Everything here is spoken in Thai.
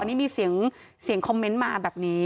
นี่มีเสียงคอมเมนต์มาแบบนี้